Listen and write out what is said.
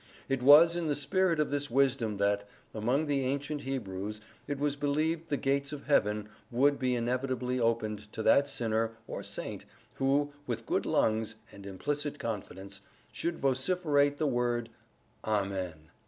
It was in the spirit of this wisdom that, among the ancient Hebrews, it was believed the gates of Heaven would be inevitably opened to that sinner, or saint, who, with good lungs and implicit confidence, should vociferate the word "Amen!"